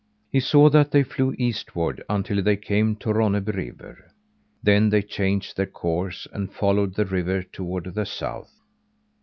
He saw that they flew eastward until they came to Ronneby River. Then they changed their course, and followed the river toward the south.